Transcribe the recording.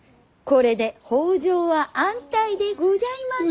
これで北条は安泰でごじゃいます。